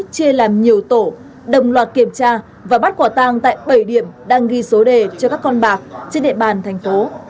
chê làm nhiều tổ đồng loạt kiểm tra và bắt quả tang tại bảy điểm đang ghi số đề cho các con bạc trên địa bàn thành phố